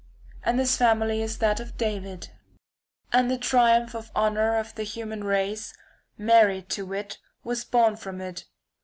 And this family is [^403 that of David. And the triumph and honour of the human race, Mary to wit, was born from it.